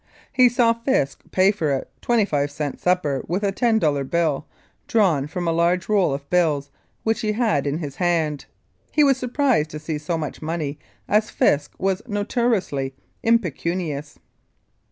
He saw Fisk pay for a twenty five cent supper with a ten dollar bill, drawn from a large roll of bills which he had in his hand. He was surprised to see so much money as Fisk was notoriously impecunious.